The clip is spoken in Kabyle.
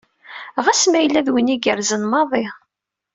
Ɣas ma yella d win igerrzen maḍi.